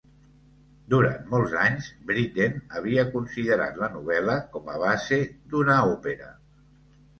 Durant molts anys, Britten havia considerat la novel·la com a base d'una òpera.